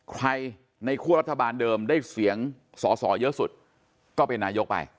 ใครในคั่วรัฐบาลเดิมได้เสียงสอสอเยอะสุดก็เป็นนายกไป